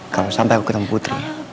kalau sampai aku ketemu putri